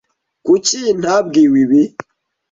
Kuki ntabwiwe ibi?